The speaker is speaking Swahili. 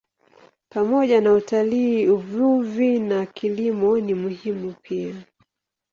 Pamoja na utalii, uvuvi na kilimo ni muhimu pia.